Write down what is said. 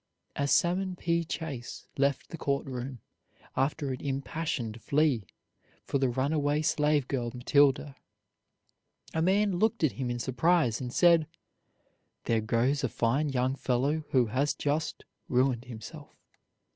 As Salmon P. Chase left the court room after an impassioned plea for the runaway slave girl Matilda, a man looked at him in surprise and said: "There goes a fine young fellow who has just ruined himself."